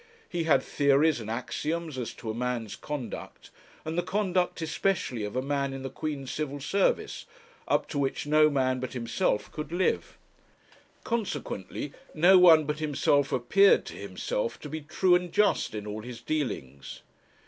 He had theories and axioms as to a man's conduct, and the conduct especially of a man in the Queen's Civil Service, up to which no man but himself could live. Consequently no one but himself appeared to himself to be true and just in all his dealings.